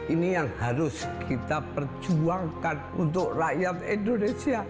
ini yang harus kita perjuangkan untuk rakyat indonesia